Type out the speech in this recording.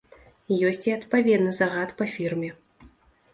Ёсць і адпаведны загад па фірме.